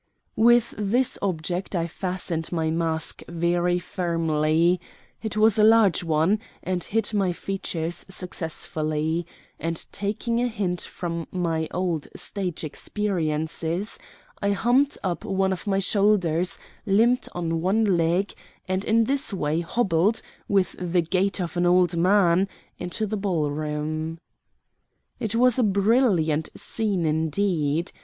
With this object I fastened my mask very firmly it was a large one, and hid my features successfully; and, taking a hint from my old stage experiences, I humped up one of my shoulders, limped on one leg, and in this way hobbled, with the gait of an old man, into the ball room. It was a brilliant scene indeed.